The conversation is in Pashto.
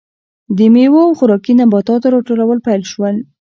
د میوو او خوراکي نباتاتو راټولول پیل شول.